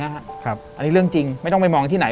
อันนี้เรื่องจริงไม่ต้องไปมองที่ไหน